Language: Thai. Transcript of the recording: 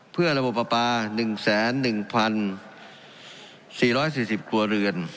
เพื่อระบบปลาปลา๑๑๔๔๐ครัวเรือน